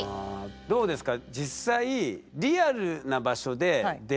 どうですか？